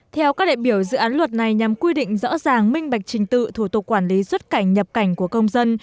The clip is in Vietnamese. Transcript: theo các đại biểu dự án luật này nhằm quy định rõ ràng minh bạch trình tự thủ tục quản lý xuất cảnh nhập cảnh của công dân